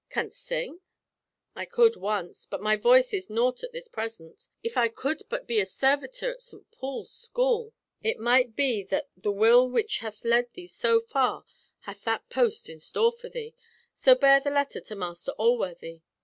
Canst sing?" "I could once, but my voice is nought at this present. If I could but be a servitor at St. Paul's School!" "It might be that the will which hath led thee so far hath that post in store for thee, so bear the letter to Master Alworthy.